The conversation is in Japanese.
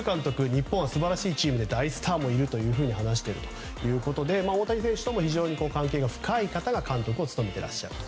日本は素晴らしいチームで大スターもいると話しているということで大谷選手とも非常に関係の深い方が監督を務めていらっしゃると。